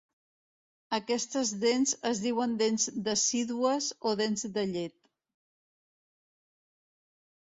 Aquestes dents es diuen dents decídues o dents de llet.